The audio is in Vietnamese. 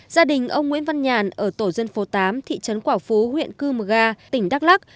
gia đình ông nguyễn văn nhàn ở tổ dân phố tám thị trấn quảng phú huyện cư mờ ga tỉnh đắk lắc